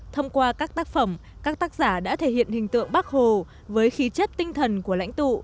thông qua các tác phẩm các tác giả đã thể hiện hình tượng bắc hồ với khí chất tinh thần của lãnh tụ